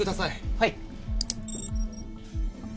はい。